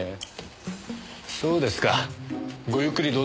そうですかごゆっくりどうぞ。